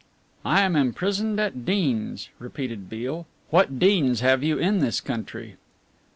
"'I am imprisoned at Deans,'" repeated Beale. "What 'Deans' have you in this country?"